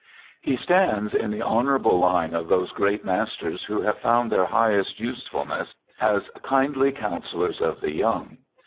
He stands in the honorable line of those great masters who have found their highest usefulness as kindly counselors of the young.